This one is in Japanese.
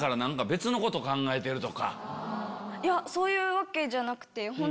いやそういうわけじゃなくて。